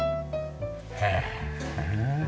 へえ。